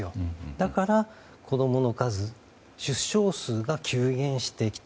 だから子供の数、出生数が急減してきた。